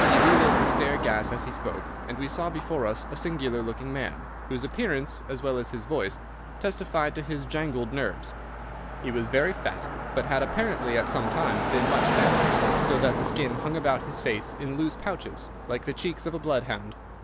He relit the stair gas as he spoke, and we saw before us a singular looking man, whose appearance, as well as his voice, testified to his jangled nerves. He was very fat, but had apparently at some time been much fatter, so that the skin hung about his face in loose pouches, like the cheeks of a blood hound.